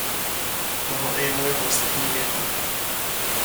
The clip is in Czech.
Tohle je moje vlastní věta.